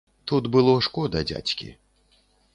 Тут было шкода дзядзькі.